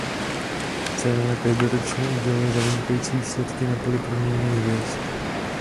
Cena se každoročně uděluje za vynikající výsledky na poli proměnných hvězd.